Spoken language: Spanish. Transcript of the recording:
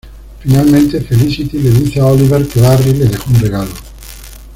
Finalmente, Felicity le dice a Oliver que Barry le dejó un regalo.